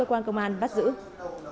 cơ quan công an sẽ trả tiền cho nương